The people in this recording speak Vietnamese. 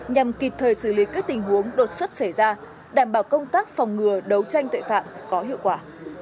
nhằm kịp thời xử lý các tình huống đột xuất xảy ra đảm bảo công tác phòng ngừa đấu tranh tội phạm có hiệu quả